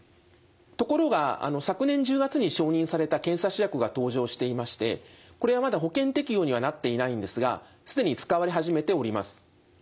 ところが昨年１０月に承認された検査試薬が登場していましてこれはまだ保険適用にはなっていないんですが既に使われ始めております。